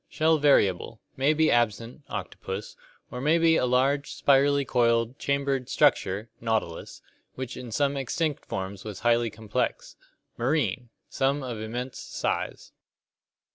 Shell variable; may be absent (octopus), or may be a large, spirally coiled, chambered structure (nautilus) which in some extinct forms was highly complex. Marine. Some of immense size.